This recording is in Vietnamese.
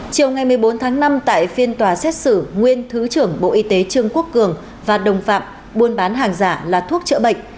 chiều ngày một mươi bốn tháng năm tại phiên tòa xét xử nguyên thứ trưởng bộ y tế trương quốc cường và đồng phạm buôn bán hàng giả là thuốc chữa bệnh